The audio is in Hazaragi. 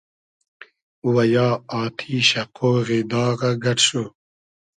و یا آتیشۂ ، قۉغی داغۂ گئۮ شو